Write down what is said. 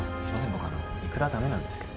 僕あのイクラ駄目なんですけど。